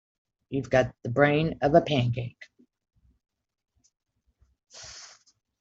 You've got the brain of a pancake.